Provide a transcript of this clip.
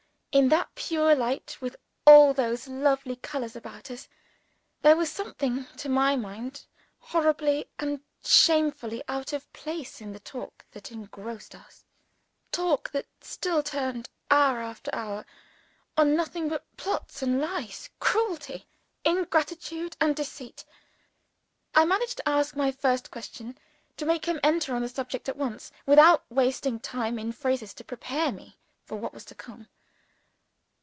In that pure light, with all those lovely colors about us, there was something, to my mind, horribly and shamefully out of place in the talk that engrossed us talk that still turned, hour after hour, on nothing but plots and lies, cruelty, ingratitude, and deceit! I managed to ask my first question so as to make him enter on the subject at once without wasting time in phrases to prepare me for what was to come.